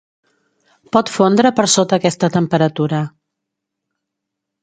Pot fondre per sota aquesta temperatura.